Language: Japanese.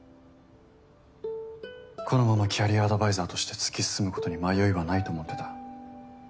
このままキャリアアドバイザーとして突き進むことに迷いはないと思ってた。